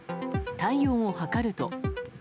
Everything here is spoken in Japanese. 体温を測ると。